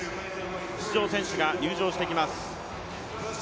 出場選手が入場してきます。